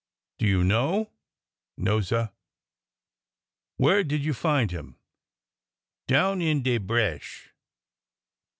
'' Do you know ?" No, sir." Where did you find him ?" Down in de bresh."